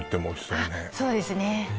そうですね